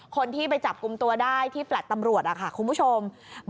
คนที่ไปจับกลุ่มตัวได้ที่แฟลต์ตำรวจค่ะคุณผู้ชม